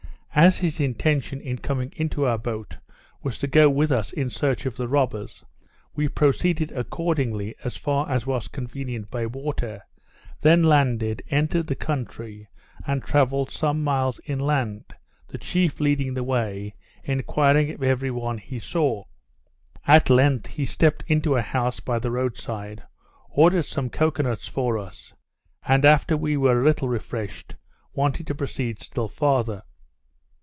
As his intention in coming into our boat was to go with us in search of the robbers, we proceeded accordingly as far as was convenient by water, then landed, entered the country, and travelled some miles inland, the chief leading the way, enquiring of every one he saw. At length he stepped into a house by the road side, ordered some cocoa nuts for us, and after we were a little refreshed, wanted to proceed still farther.